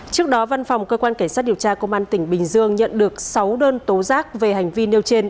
trước đó văn phòng cơ quan cảnh sát điều tra công an tỉnh bình dương nhận được sáu đơn tố giác về hành vi nêu trên